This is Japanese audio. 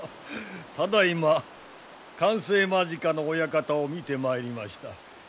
ただいま完成間近のお館を見てまいりました。